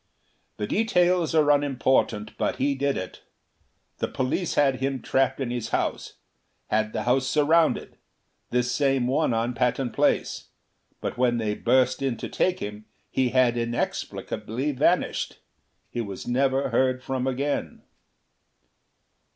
"The details are unimportant; but he did it. The police had him trapped in his house; had the house surrounded this same one on Patton Place but when they burst in to take him, he had inexplicably vanished. He was never heard from again."